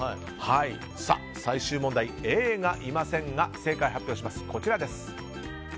最終問題Ａがいませんが正解発表します。